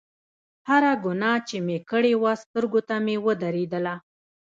هره ګناه چې مې کړې وه سترګو ته مې ودرېدله.